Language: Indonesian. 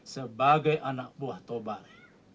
sebagai anak buah tobari